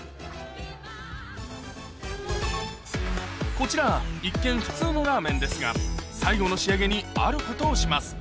こちら一見普通のラーメンですが最後の仕上げにあることをします